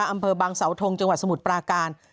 อำเภอบางสาวทงจังหวัดสมุทรปราการ